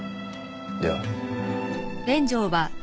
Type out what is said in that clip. では。